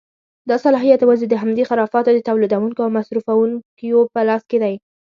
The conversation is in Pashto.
دا صلاحیت یوازې د همدې خرافاتو د تولیدوونکیو او مصرفوونکیو په لاس کې دی.